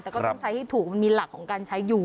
แต่ก็ต้องใช้ให้ถูกมันมีหลักของการใช้อยู่